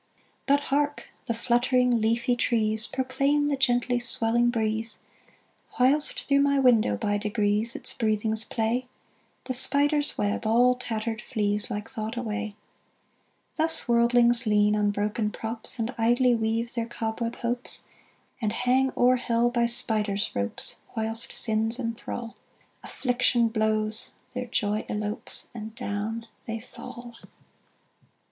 But hark! the fluttering leafy trees Proclaim the gently swelling breeze, Whilst through my window, by degrees, Its breathings play: The spider's web, all tattered flees, Like thought, away. Thus worldlings lean on broken props, And idly weave their cobweb hopes, And hang o'er hell by spider's ropes, Whilst sins enthral; Affliction blows their joy elopes And down they fall!